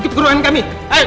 itu tidak adil